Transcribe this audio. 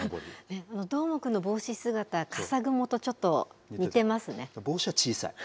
どーもくんの帽子姿、笠雲とちょっと似てますね。